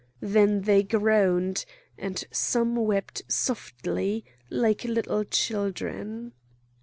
Then they groaned, and some wept softly like little children.